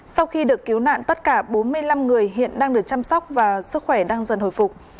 sau khi được cứu nạn tất cả bốn mươi năm người hiện đang được chăm sóc và sức khỏe đang dần hồi phục